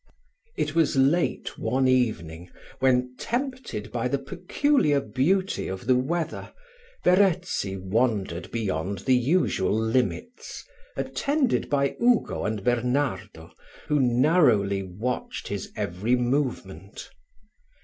It was late one evening, when, tempted by the peculiar beauty of the weather, Verezzi wandered beyond the usual limits, attended by Ugo and Bernardo, who narrowly watched his every movement.